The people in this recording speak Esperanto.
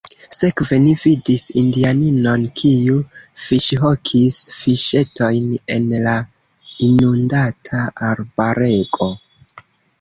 Sekve ni vidis indianinon, kiu fiŝhokis fiŝetojn en la inundata arbarego.